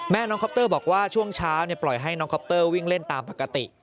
น้องคอปเตอร์บอกว่าช่วงเช้าปล่อยให้น้องคอปเตอร์วิ่งเล่นตามปกติ